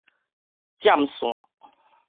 佔線